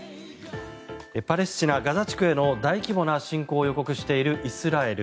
パレスチナ・ガザ地区への大規模な侵攻を予告しているイスラエル。